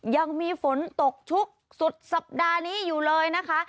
ยังมีฝนตกชุกสุดสัปดาห์นี้อยู่เลยนะคะ